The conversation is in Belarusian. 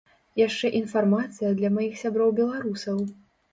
Яшчэ інфармацыя для маіх сяброў беларусаў!